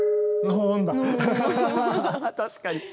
確かに。